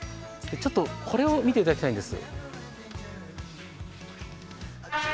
これを見ていただきたいんです。